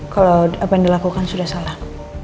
kalau apa yang dilakukan sudah salah